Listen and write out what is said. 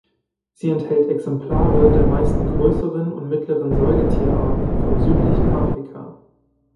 Sie enthält Exemplare der meisten größeren und mittleren Säugetier-Arten vom südlichen Afrika.